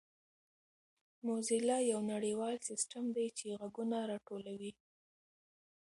موزیلا یو نړیوال سیسټم دی چې ږغونه راټولوي.